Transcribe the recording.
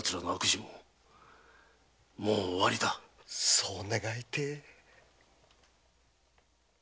そう願いてえ。